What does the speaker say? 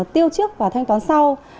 tiêu trước và thanh toán sau